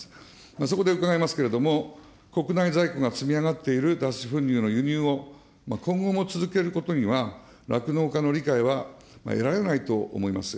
そこで伺いますけれども、国内在庫が積み上がっている脱脂粉乳の輸入を、今後も続けることには酪農家の理解は得られないと思います。